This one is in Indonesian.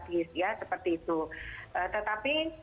tiendek n malaria bagi mereka ya